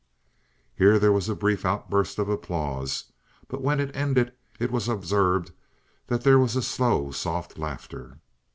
Here there was a brief outburst of applause, but when it ended, it was observed that there was a low, soft laughter.